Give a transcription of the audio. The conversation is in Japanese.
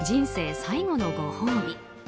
最後のご褒美。